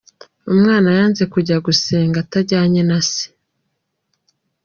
Umwana yanze kujya gusenga atajyanye na se.